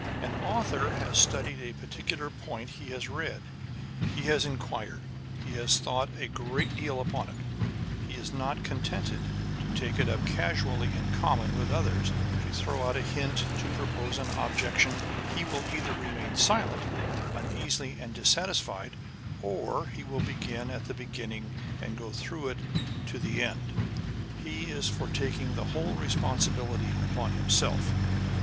An author has studied a particular point â€" he has read, he has inquired, he has thought a great deal upon it : he is not contented to take it up casually in common with others, to throw out a hint, to propose an objection : he will either remain silent, uneasy, and dissatisfied, or he will begin at the beginning, and go through with it to the end. He is for taking the whole responsibility upon himself.